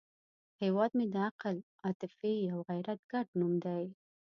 هیواد مې د عقل، عاطفې او غیرت ګډ نوم دی